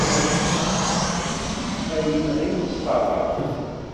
Ay imɣi n ṣṣaba.